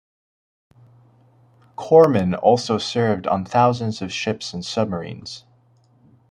Corpsmen also served on thousands of ships and submarines.